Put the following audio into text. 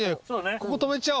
ここ止めちゃおう。